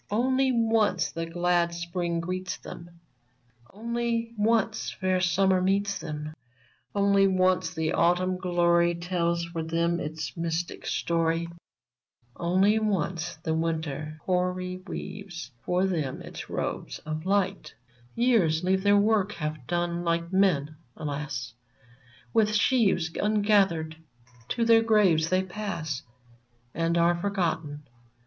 Only once the glad Spring greets them ; Only once fair Summer meets them ; Only once the Autumn glory Tells for them its mystic story ; Only once the Winter hoary Weaves for them its robes of light ! Il8 VERMONT Years leave their work half done ; like men, alas ! With sheaves ungathered to their graves they pass, And are forgotten.